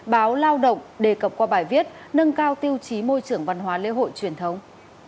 báo lao động đề cập qua bài viết nâng cao tiêu chí môi trường văn hóa lễ hội truyền thống